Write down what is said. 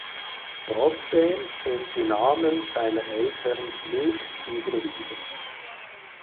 Trotzdem sind die Namen seiner Eltern nicht überliefert.